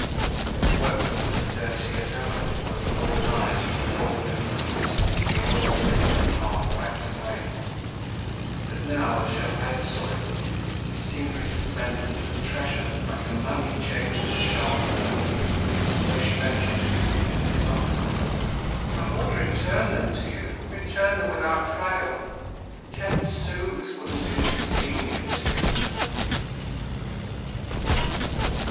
The workroom was as dirty as ever, full of old iron, coal dust and sticky oil stains, half wiped away; but now, as Gervaise saw it, it seemed resplendent with treasure, like a money changer's shop. And so she ventured to repeat softly: "I would return them to you, return them without fail. Ten sous wouldn't inconvenience you."